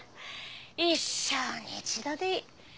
一生に一度でいい。